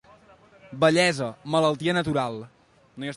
Vellesa, malaltia natural.